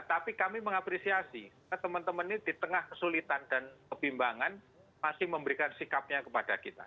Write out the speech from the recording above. tapi kami mengapresiasi karena teman teman ini di tengah kesulitan dan kebimbangan masih memberikan sikapnya kepada kita